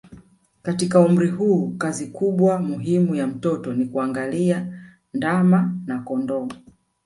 Katika umri huu kazi kubwa muhimu ya mtoto ni kuangalia ndama na kondoo